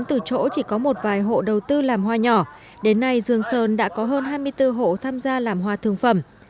từ chỗ chỉ có một vài hộ đầu tư làm hoa nhỏ đến nay dương sơn đã có hơn hai mươi bốn hộ tham gia làm hoa thương phẩm